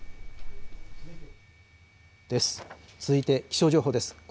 続いて気象情報です。